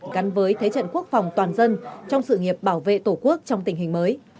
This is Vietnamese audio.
gắn với thế trận quốc phòng toàn dân trong sự nghiệp bảo vệ tổ quốc trong tình hình mới